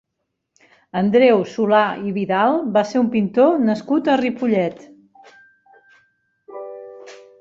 Andreu Solà i Vidal va ser un pintor nascut a Ripollet.